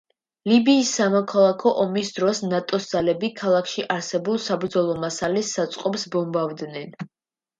ლიბიის სამოქალაქო ომის დროს, ნატოს ძალები ქალაქში არსებულ საბრძოლო მასალის საწყობს ბომბავდნენ.